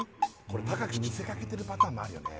これ高く見せかけてるパターンもあるよね